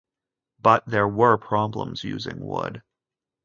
But there were problems using wood.